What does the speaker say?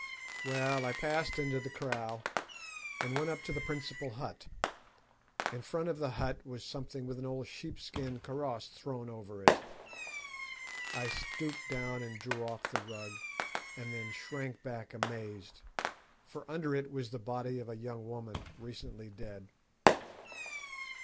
"Well, I passed into the kraal, and went up to the principal hut. In front of the hut was something with an old sheep skin kaross thrown over it. I stooped down and drew off the rug, and then shrank back amazed, for under it was the body of a young woman recently dead.